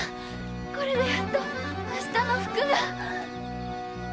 これでやっとあしたの服が。